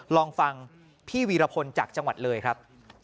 ลองฟังพี่วีรพลจากจังหวัดเลยครับ